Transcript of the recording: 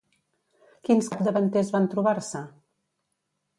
Quins capdavanters van trobar-se?